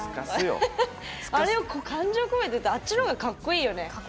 あれを感情込めて歌うってあっちのほうがかっこいいよね。